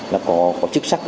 là có chức sắc